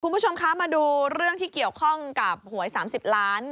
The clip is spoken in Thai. คุณผู้ชมคะมาดูเรื่องที่เกี่ยวข้องกับหวย๓๐ล้าน